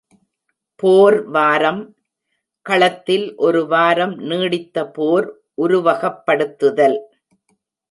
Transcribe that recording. போர் வாரம்: களத்தில் ஒரு வாரம் நீடித்த போர் உருவகப்படுத்துதல்.